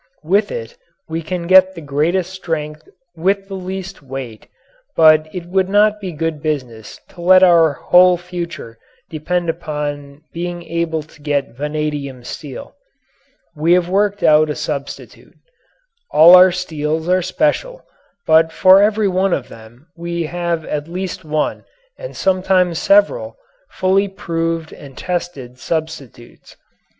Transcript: With it we can get the greatest strength with the least weight, but it would not be good business to let our whole future depend upon being able to get vanadium steel. We have worked out a substitute. All our steels are special, but for every one of them we have at least one, and sometimes several, fully proved and tested substitutes.